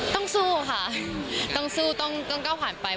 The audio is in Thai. ต้องสู้ค่ะต้องสู้ต้องก้าวผ่านไป